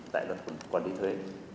tại luật quản lý thuế